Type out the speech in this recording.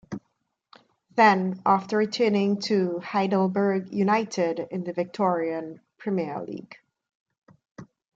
Then after returning to Heidelberg United in the Victorian Premier League.